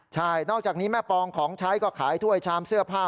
ใช่นอกจากนี้แม่ปองของใช้ก็ขายถ้วยชามเสื้อผ้า